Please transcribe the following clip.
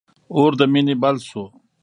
اور د مینی بل سو